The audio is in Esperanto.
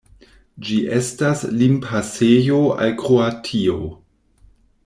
Ĝi estas limpasejo al Kroatio.